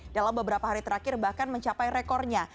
dalam beberapa hari terakhir bahkan mencapai rekornya